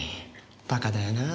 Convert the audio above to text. バカだよなぁ。